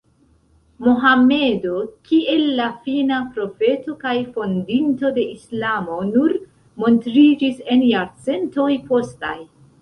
Mohamedo kiel la Fina Profeto kaj fondinto de islamo nur montriĝis en jarcentoj postaj.